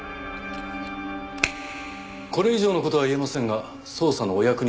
これ以上の事は言えませんが捜査のお役に立てれば。